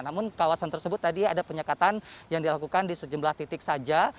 namun kawasan tersebut tadi ada penyekatan yang dilakukan di sejumlah titik saja